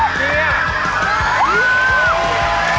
เยี่ยม